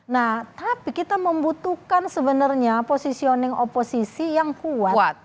nah tapi kita membutuhkan sebenarnya positioning oposisi yang kuat